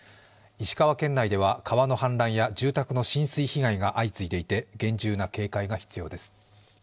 石川県内では川の氾濫や住宅の浸水被害が相次いでいて厳重な警戒が必要です。